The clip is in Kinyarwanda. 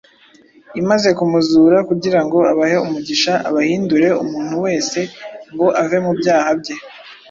imaze kumuzura, kugira ngo abahe umugisha, abahindure umuntu wese, ngo ave mu byaha bye.”